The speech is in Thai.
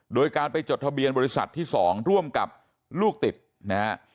โดยการไปจดทะเบียนบริษัทที่๒ร่วมกับลูกติดนะฮะ